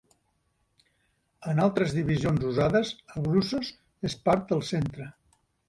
En altres divisions usades Abruços és part del centre.